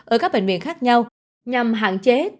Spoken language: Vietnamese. ở các bệnh viện khác nhau nhằm hạn chế tỷ lệ tử vong